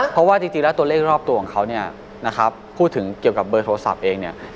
เพราะว่าจริงแล้วตัวเลขรอบตัวของเขาเนี่ยนะครับพูดถึงเกี่ยวกับเบอร์โทรศัพท์เองเนี่ย